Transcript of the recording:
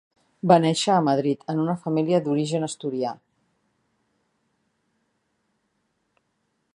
Va néixer a Madrid, en una família d'origen asturià.